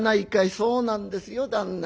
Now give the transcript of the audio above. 『そうなんですよ旦那。